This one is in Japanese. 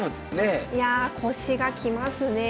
いや腰がきますね。